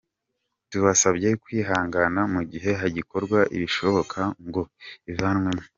Tubasabye kwihangana mu gihe hagikorwa ibishoboka ngo ivanwemo.